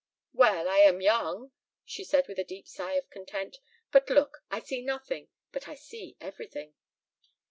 "Well, I am young," she said with a deep sigh of content. "But look! I see nothing, but I see everything."